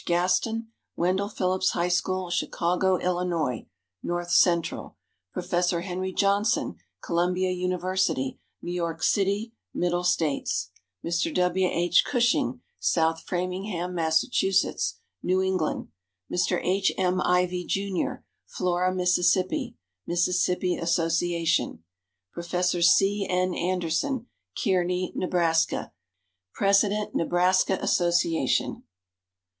Gaston, Wendell Phillips High School, Chicago, Ill. (North Central); Professor Henry Johnson, Columbia University, New York City (Middle States); Mr. W. H. Cushing, South Framingham, Mass. (New England); Mr. H. M. Ivy, Jr., Flora, Miss. (Miss. Association); Professor C. N. Anderson, Kearney, Neb. (President, Nebraska Association).